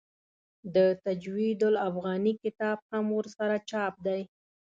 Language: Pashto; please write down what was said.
د تجوید الافغاني کتاب هم ورسره چاپ دی.